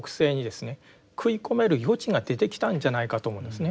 食い込める余地が出てきたんじゃないかと思うんですね。